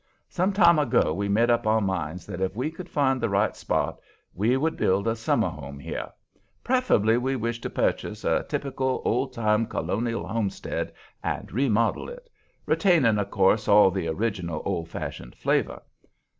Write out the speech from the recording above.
Some time ago we made up our minds that if we could find the right spot we would build a summer home here. Preferably we wish to purchase a typical, old time, Colonial homestead and remodel it, retaining, of course, all the original old fashioned flavor.